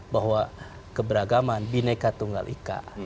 bahwa keberagaman bineka tunggal ika